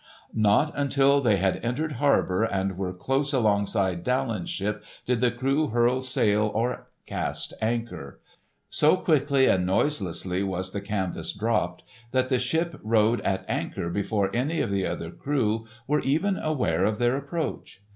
Not until they had entered harbour and were close alongside Daland's ship did the crew furl sail or cast anchor. So quickly and noiselessly was the canvas dropped that the ship rode at anchor before any of the other crew were even aware of their approach.